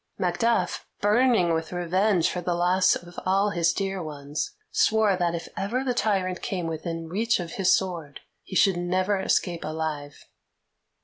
Macduff, burning with revenge for the loss of all his dear ones, swore that if ever the tyrant came within reach of his sword he should never escape alive.